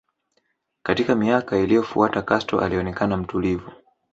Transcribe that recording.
Katika miaka iliyofuata Castro alionekana mtulivu